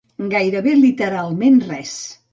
Gairebé literalment res